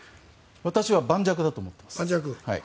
私は盤石だと思っています。